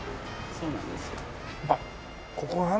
そうなんです。